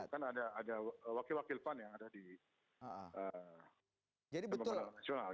kan ada wakil wakil pan yang ada di lembaga nasional